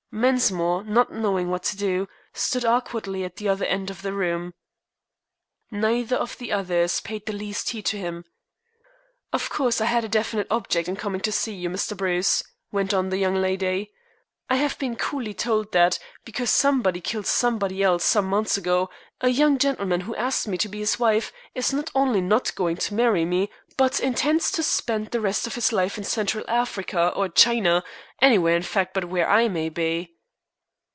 Mensmore, not knowing what to do, stood awkwardly at the other end of the room. Neither of the others paid the least heed to him. "Of course I had a definite object in coming to see you, Mr. Bruce," went on the young lady. "I have been coolly told that, because somebody killed somebody else some months ago, a young gentlemen who asked me to be his wife, is not only not going to marry me but intends to spend the rest of his life in Central Africa or China anywhere in fact but where I may be."